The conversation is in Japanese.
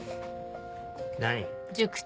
何？